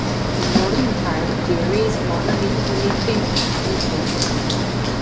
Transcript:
The northern part of the area is monolingually Finnish-speaking.